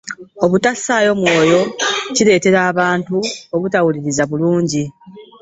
obutassaayo mwoyo kireetera abantu obutawuliriza bulungi.